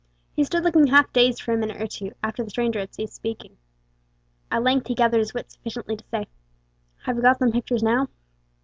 He stood looking half dazed for a minute or two after the stranger had ceased speaking. At length he gathered his wits sufficiently to say: "Have you got them pictures now?"